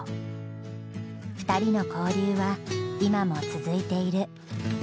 ２人の交流は今も続いている。